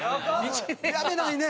やめないね！